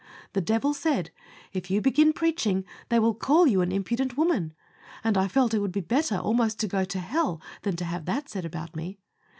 The devil said, "If you begin preaching they will call you an impudent woman," and I felt it would be better almost to go to hell than have that said about me.